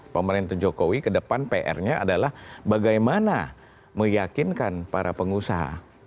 pemerintah jokowi ke depan pr nya adalah bagaimana meyakinkan para pengusaha